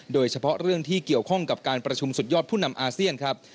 โดยเฉพาะเรื่องที่เกี่ยวข้องกับการประชุมสุดยอดผู้นำอาเซียนครับ